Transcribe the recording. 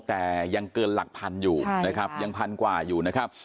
แต่ยังเกินหลักพันอยู่นะครับยังพันกว่าอยู่นะครับ